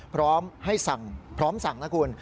พร้อมให้สั่งพร้อมสั่งนะคุณ